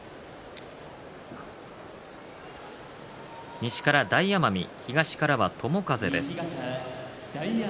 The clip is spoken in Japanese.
西から大奄美、東から友風です。